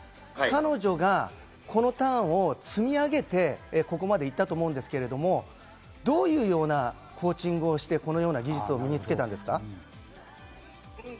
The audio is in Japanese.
彼女はこのターンを積み上げて、ここまで行ったと思うんですけど、どういうようなコーチングをしてこのような技術を身につけたんですか？